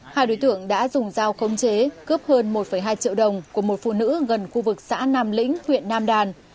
hai đối tượng đã dùng dao không chế cướp hơn một hai triệu đồng của một phụ nữ gần khu vực xã nam lĩnh huyện nam đàn